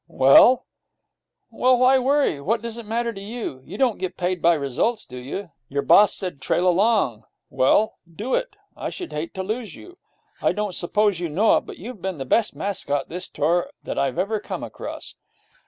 'Well?' 'Well, why worry? What does it matter to you? You don't get paid by results, do you? Your boss said "Trail along." Well, do it, then. I should hate to lose you. I don't suppose you know it, but you've been the best mascot this tour that I've ever come across.